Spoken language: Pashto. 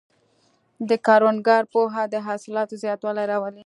د کروندګر پوهه د حاصلاتو زیاتوالی راولي.